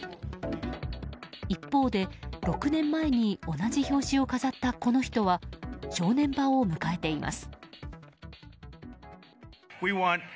一方で、６年前に同じ表紙を飾ったこの人は正念場を迎えています。